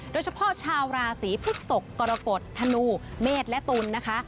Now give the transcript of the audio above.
โดยเฉพาะชาวราศีพฤกษกกรกฎธนูเมษและตุลนะคะ